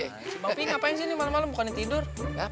bang pi ngapain sih malem malem bukannya tidur